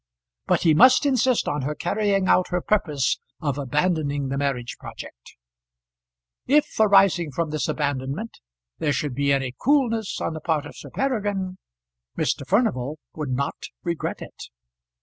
But he must insist on her carrying out her purpose of abandoning the marriage project. If, arising from this abandonment, there should be any coolness on the part of Sir Peregrine, Mr. Furnival would not regret it.